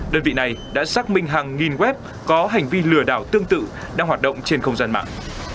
đơn vị này đã xác minh hàng nghìn web có hành vi lừa đảo tương tự đang hoạt động trên không gian mạng